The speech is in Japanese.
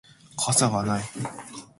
傘がない